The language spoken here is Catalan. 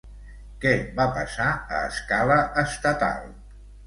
Què va passar a escala estatal?